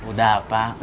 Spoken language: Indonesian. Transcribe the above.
gak usah pake emosi